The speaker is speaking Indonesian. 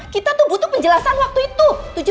kita tuh butuh penjelasan waktu itu